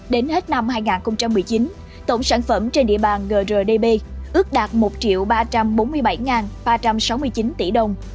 đến hết năm hai nghìn một mươi chín tổng sản phẩm trên địa bàn grdp ước đạt một ba trăm bốn mươi bảy ba trăm sáu mươi chín tỷ đồng